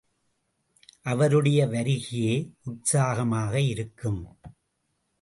அவருடைய வருகையே உற்சாகமாக இருக்கும்.